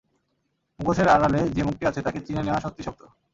মুখোশের আড়ালে যে মুখটি আছে তাকে চিনে নেয়া সত্যিই শক্ত।